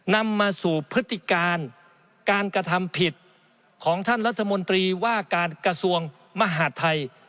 นำมาสู่พฤติการการกระทำผิดของท่านรัฐมนตรีว่าการกระทรวงมหาดไทย